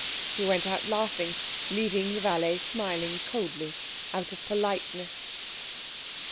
He went out laughing, leaving the valet smiling coldly out of politeness.